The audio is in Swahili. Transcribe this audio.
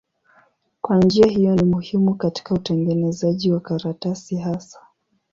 Kwa njia hiyo ni muhimu katika utengenezaji wa karatasi hasa.